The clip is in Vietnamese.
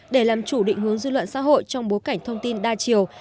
để làm chủ định hướng dư luận xã hội trong bối cảnh thông tin đa chiều